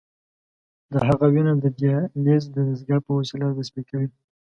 د هغه وینه د دیالیز د دستګاه په وسیله تصفیه کوي.